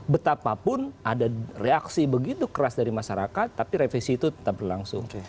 betapapun ada reaksi begitu keras dari masyarakat tapi revisi itu tetap berlangsung